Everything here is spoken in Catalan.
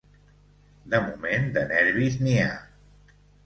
De moment, de nervis n’hi ha.